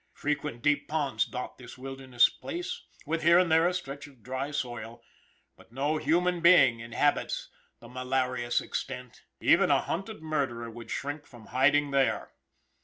Frequent deep ponds dot this wilderness place, with here and there a stretch of dry soil, but no human being inhabits the malarious extent; even a hunted murderer would shrink from hiding there.